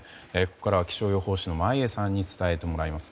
ここからは気象予報士の眞家さんに伝えてもらいます。